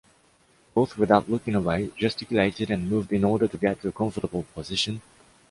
Both, without looking away, gesticulated and moved in order to get to a comfortable position.